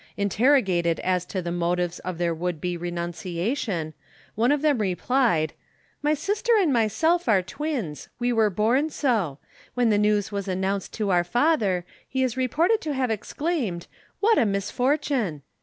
Interrogated as to the motives of their would be renunciation, one of them replied: "My sister and myself are twins. We were born so. When the news was announced to our father, he is reported to have exclaimed, 'What a misfortune!'